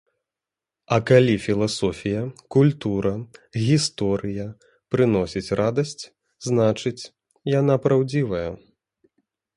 А калі філасофія, культура, гісторыя прыносіць радасць, значыць, яна праўдзівая.